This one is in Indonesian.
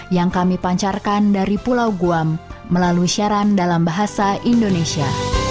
yang kami pancarkan dari pulau guam melalui syaran dalam bahasa indonesia